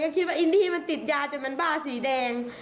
คิดว่าอินดี้มันติดยาจนมันบ้าสีแดง